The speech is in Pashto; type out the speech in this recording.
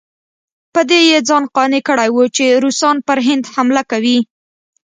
په دې یې ځان قانع کړی وو چې روسان پر هند حمله کوي.